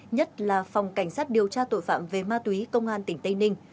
nhất là phòng cảnh sát điều tra tội phạm về ma túy công an tỉnh tây ninh